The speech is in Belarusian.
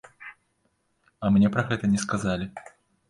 А мне пра гэта не сказалі.